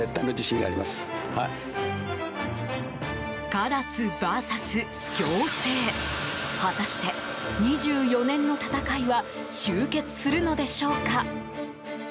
カラスＶＳ行政果たして、２４年の戦いは終結するのでしょうか。